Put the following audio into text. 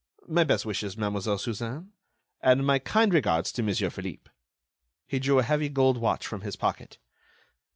My best wishes, Mademoiselle Suzanne, and my kind regards to Monsieur Philippe." He drew a heavy gold watch from his pocket.